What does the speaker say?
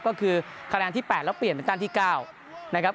ก็คือคะแนนที่๘แล้วเปลี่ยนเป็นตันที่๙นะครับ